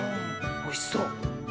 おいしそう！